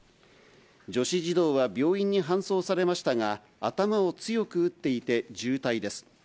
女子児童は病院に搬送されましたが、頭を強く打っていて重体です。